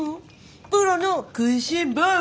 プロの食いしん坊！